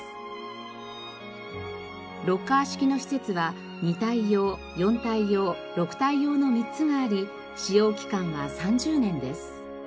ロッカー式の施設は２体用４体用６体用の３つがあり使用期間は３０年です。